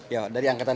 ya dari angkatan